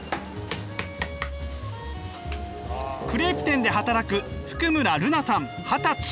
クレープ店で働く福村瑠菜さん二十歳。